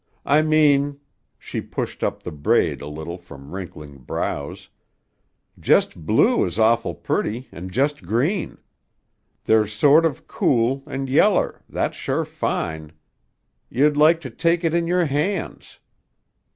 I mean" she pushed up the braid a little from wrinkling brows "jest blue is awful pretty an' jest green. They're sort of cool, an' yeller, that's sure fine. You'd like to take it in your hands.